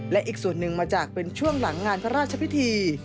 และอีกส่วนหนึ่งมาจากเป็นช่วงหลังงานพระราชพิธี